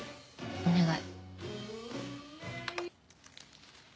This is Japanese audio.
お願い。